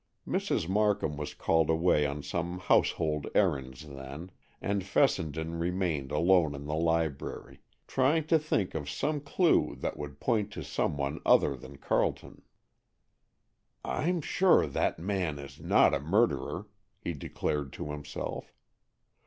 Mrs. Markham was called away on some household errands then, and Fessenden remained alone in the library, trying to think of some clue that would point to some one other than Carleton. "I'm sure that man is not a murderer," he declared to himself.